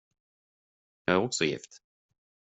Jag är också gift.